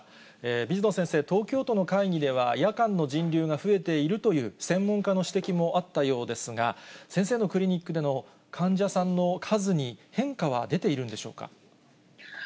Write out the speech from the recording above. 水野先生、東京都の会議では、夜間の人流が増えているという専門家の指摘もあったようですが、先生のクリニックでの患者さんの数に変化は出ているんでしょうか。